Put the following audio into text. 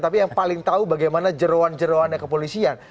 tapi yang paling tahu bagaimana jeruan jeruannya kepolisian